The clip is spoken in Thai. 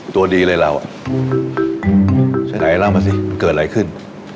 ตัวดีเลยเราอ่ะไหนเล่ามาสิเกิดอะไรขึ้น